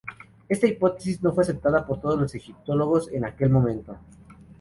Esta hipótesis no fue aceptada por todos egiptólogos en aquel momento.